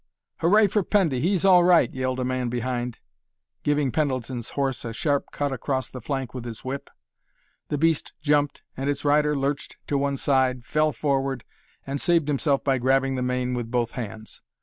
"Hooray for Pendy! He's all right!" yelled a man behind, giving Pendleton's horse a sharp cut across the flank with his whip. The beast jumped, and its rider lurched to one side, fell forward, and saved himself by grabbing the mane with both hands.